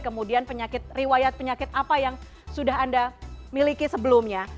kemudian penyakit riwayat penyakit apa yang sudah anda miliki sebelumnya